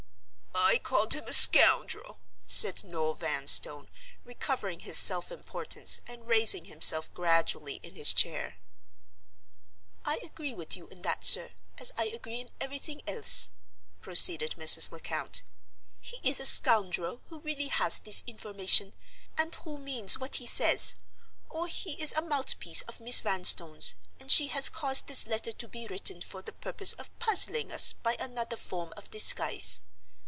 "I called him a scoundrel," said Noel Vanstone, recovering his self importance, and raising himself gradually in his chair. "I agree with you in that, sir, as I agree in everything else," proceeded Mrs. Lecount. "He is a scoundrel who really has this information and who means what he says, or he is a mouthpiece of Miss Vanstone's, and she has caused this letter to be written for the purpose of puzzling us by another form of disguise.